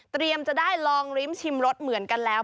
จะได้ลองริมชิมรสเหมือนกันแล้ว